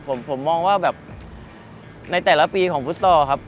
ผมมองว่าแบบในแต่ละปีของฟุตซอลครับ